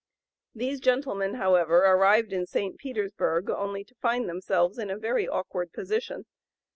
These gentlemen, however, arrived in St. Petersburg only to find themselves in a very awkward position.